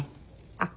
あっ。